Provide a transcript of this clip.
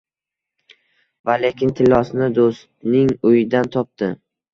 Va lekin tillosini do‘stning uyidan topdi.